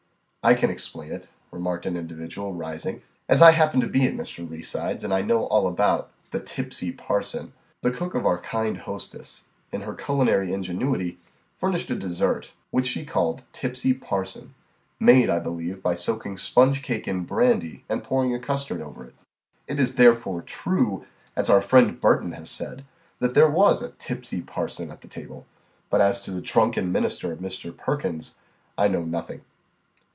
"I can explain it," remarked an individual, rising, "as I happened to be at Mr. Reeside's, and know all about the 'tipsy parson.' The cook of our kind hostess, in her culinary ingenuity, furnished a dessert, which she called 'tipsy parson,' made, I believe, by soaking sponge cake in brandy and pouring a custard over it. It is therefore true, as our friend Burton has said, that there was a 'tipsy parson' at the table; but as to the drunken minister of Mr. Perkins, I know nothing."